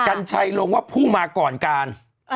กัญชัยลงว่าผู้มาก่อนการ